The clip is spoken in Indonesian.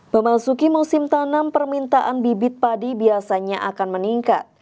memasuki musim tanam permintaan bibit padi biasanya akan meningkat